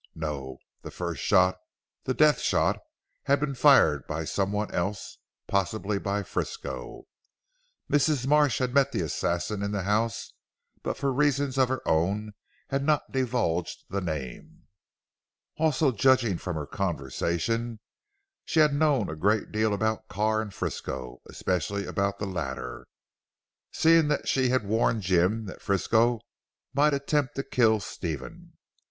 No! The first shot, the death shot had been fired by some one else, possibly by Frisco. Mrs. Marsh had met the assassin in the house, but for reasons of her own had not divulged the name. Also judging from her conversation she had known a great deal about Carr and Frisco, especially about the latter, seeing that she had warned Jim that Frisco might attempt to kill Stephen.